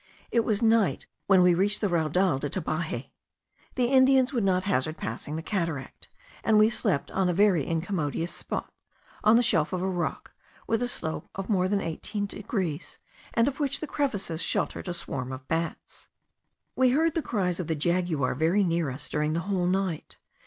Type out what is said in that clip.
It was night when we reached the Raudal de Tabaje. The Indians would not hazard passing the cataract; and we slept on a very incommodious spot, on the shelf of a rock, with a slope of more than eighteen degrees, and of which the crevices sheltered a swarm of bats. We heard the cries of the jaguar very near us during the whole night.